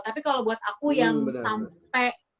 tapi kalau buat aku yang sampai